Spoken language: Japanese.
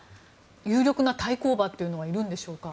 有力な対抗馬というのはいるんでしょうか？